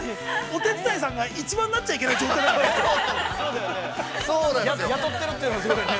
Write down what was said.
お手伝いさんが一番なっちゃいけない状態だからね。